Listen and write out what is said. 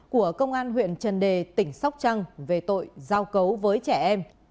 của công an huyện trần đề tỉnh sóc trăng về tội giao cấu với trẻ em